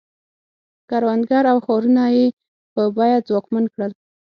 کروندګر او ښارونه یې په بیه ځواکمن کړل.